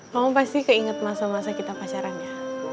kamu pasti keinget masa masa kita pacaran ya